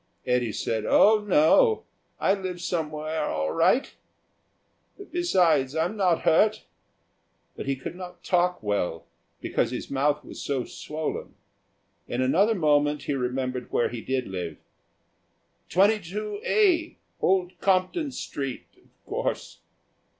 Eddy said, "Oh, no. I live somewhere all right. Besides, I'm not hurt," but he could not talk well, because his mouth was so swollen. In another moment he remembered where he did live. "22A, Old Compton Street, of course."